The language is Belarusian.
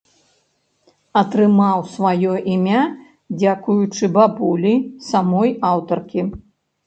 Атрымаў сваё імя дзякуючы бабулі самой аўтаркі.